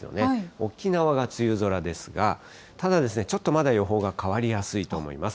沖縄が梅雨空ですが、ただ、ちょっとまだ予報が変わりやすいと思います。